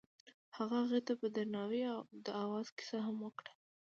هغه هغې ته په درناوي د اواز کیسه هم وکړه.